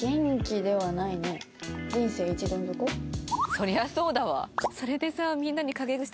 そりゃそうだわ。